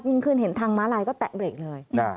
ยิ่งขึ้นเห็นทางม้าลายก็แตะเบรกเลย